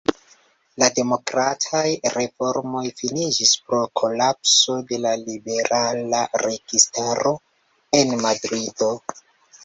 La demokrataj reformoj finiĝis pro kolapso de la liberala registaro en Madrido.